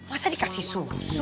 masa dikasih susu